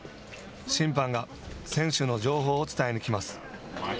審判が選手の情報を伝えに来ます。